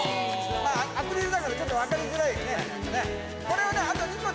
アクリルだからちょっと分かりづらいね。